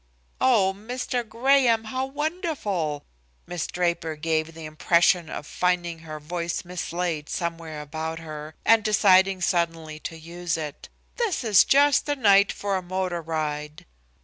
"Oh, Mr. Graham, how wonderful!" Miss Draper gave the impression of finding her voice mislaid somewhere about her, and deciding suddenly to use it. "This is just the night for a motor ride."